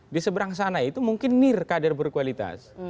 di seberang sana itu mungkin nir kader berkualitas